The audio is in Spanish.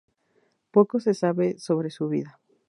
Poco se sabe sobre su vida.